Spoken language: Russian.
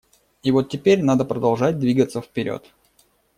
И вот теперь надо продолжать двигаться вперед.